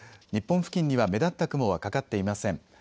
日本付近には目立った雲はかかっていません。